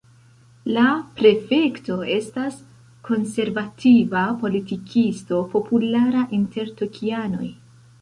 La prefekto estas konservativa politikisto populara inter tokianoj.